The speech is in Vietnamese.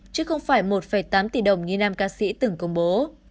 chứ không phải một tám tỷ đồng như nam ca sĩ từng công bố